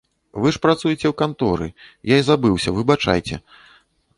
Вы ж працуеце ў канторы, я і забыўся, выбачайце.